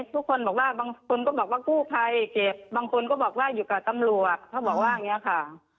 ทุกคนบอกว่าบางคนก็บอกว่ากู้ภัยเจ็บบางคนก็บอกว่าอยู่กับตำรวจเขาบอกว่าอย่างนี้ค่ะ